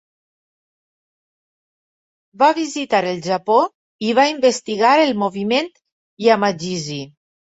Va visitar el Japó i va investigar el moviment Yamagishi.